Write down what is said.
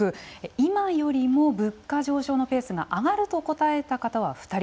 今よりも物価上昇のペースが上がると答えた方は２人。